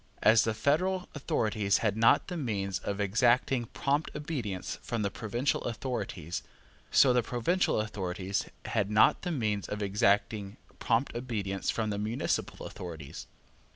As the federal authorities had not the means of exacting prompt obedience from the provincial authorities, so the provincial authorities had not the means of exacting prompt obedience from the municipal authorities.